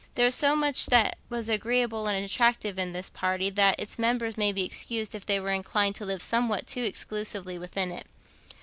There was so much that was agreeable and attractive in this family party that its members may be excused if they were inclined to live somewhat too exclusively within it.